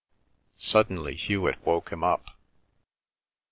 Suddenly Hewet woke him up.